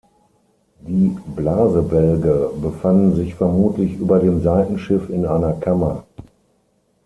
Die Blasebälge befanden sich vermutlich über dem Seitenschiff in einer Kammer.